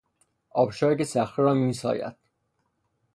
آبشاری که صخره را میساید